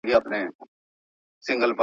هرات د هنر او کلتور کور دی.